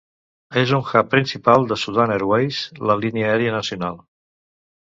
És el hub principal de Sudan Airways, la línia aèria nacional.